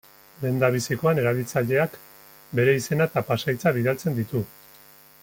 Lehendabizikoan erabiltzaileak bere izena eta pasahitza bidaltzen ditu.